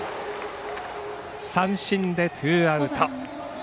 三振でツーアウト。